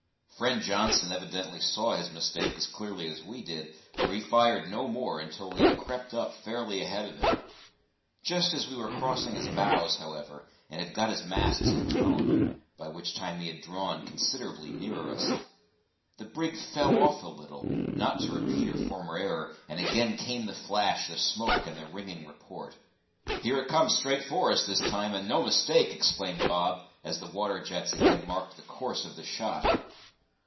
Friend Johnson evidently saw his mistake as clearly as we did, for he fired no more until we had crept up fairly ahead of him. Just as we were crossing his bows, however, and had got his masts in tone by which time he had drawn considerably nearer us the brig fell off a little, not to repeat her former error, and again came the flash, the smoke, and the ringing report. "Here it comes straight for us this time, and no mistake," exclaimed Bob, as the water jets again marked the course of the shot.